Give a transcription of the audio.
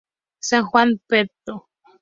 San Juan; Pto.